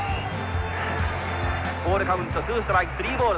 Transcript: ボールカウントツーストライク、スリーボール。